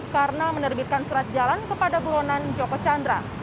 karena menerbitkan surat jalan kepada bulonan joko chandra